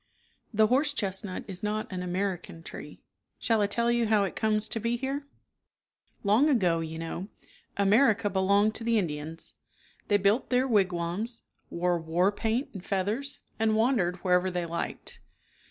The horse chestnut is not an American tree. Shall I tell you how it comes to be here ? Long ago, you know, America belonged to the Indians. They built their wigwams, wore war paint and feathers, and wandered wherever they liked.